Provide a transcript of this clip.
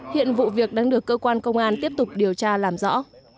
hiện vụ việc đang được cơ quan công an tiếp tục điều tra làm rõ